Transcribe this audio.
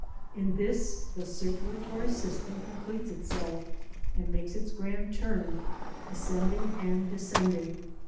In this the circulatory system completes itself and makes its grand turn, ascending and descending.